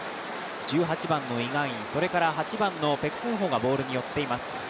１８番のイ・ガンイン、８番のペク・スンホがボールに寄っています。